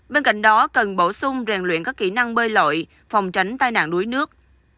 bên cạnh đó cần bổ sung rèn luyện các kỹ năng bơi lội phòng tránh tai nạn đuối nước